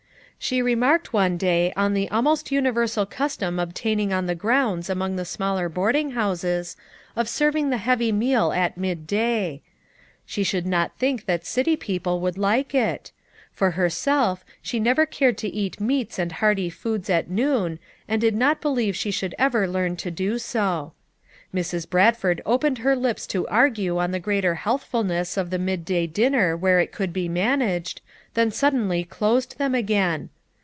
She remarked one day on the almost universal custom obtaining on the grounds among the smaller boarding houses, of serving the heavy meal at midday. She should not think that city people would like it; for herself, she never cared to eat meats and hearty foods at noon, and did not believe she should ever learn to do so. Mrs. Bradford opened her lips to argue on the greater healfh fulness of the midday dinner where it could be managed, then suddenly closed them again.